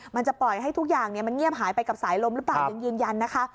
มันจะปล่อยให้ทุกอย่างมันเงียบหายไปกับสายลมหรือเปล่ายังยืนยันนะคะ